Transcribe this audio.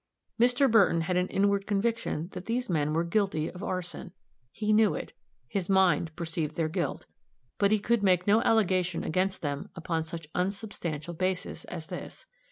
Mr. Burton had an inward conviction that these men were guilty of arson. He knew it. His mind perceived their guilt. But he could make no allegation against them upon such unsubstantial basis as this.